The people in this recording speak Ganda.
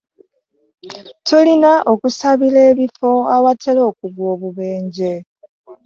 Tulina okusabira ebifo awatera okugwa obubenje.